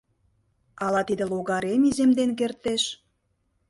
Ала тиде логарем иземден кертеш?